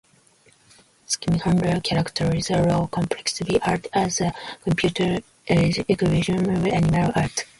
Schmidhuber characterizes low-complexity art as the computer age equivalent of minimal art.